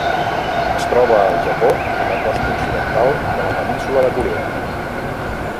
Es troba al Japó i la costa occidental de la Península de Corea.